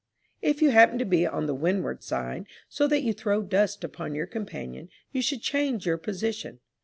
If you happen to be on the windward side, so that you throw dust upon your companion, you should change your position.